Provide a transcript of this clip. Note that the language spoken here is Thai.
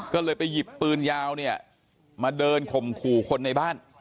ก็เลยไปหยิบปืนยาวเนี่ยมาเดินข่มขู่คนในบ้าน